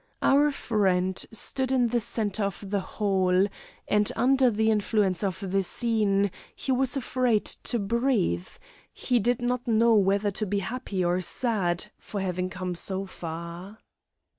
Our friend stood in the centre of the hall and under the influence of the scene, he was afraid to breathe; he did not know whether to be happy or sad, for having come so far.